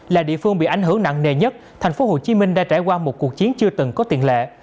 là địa phương bị ảnh hưởng nặng nề nhất thành phố hồ chí minh đã trải qua một cuộc chiến chưa từng có tiền lệ